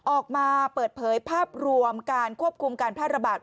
ออกมาเปิดเผยภาพรวมการควบคุมการแพร่ระบาด